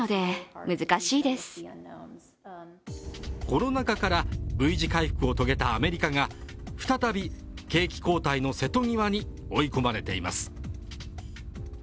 コロナ禍から、Ｖ字回復を遂げたアメリカが再び景気後退の瀬戸際に追い込まれています。